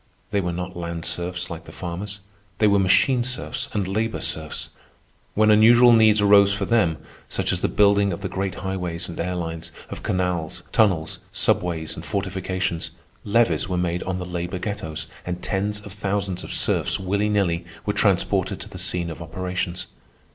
They were not land serfs like the farmers. They were machine serfs and labor serfs. When unusual needs arose for them, such as the building of the great highways and air lines, of canals, tunnels, subways, and fortifications, levies were made on the labor ghettos, and tens of thousands of serfs, willy nilly, were transported to the scene of operations.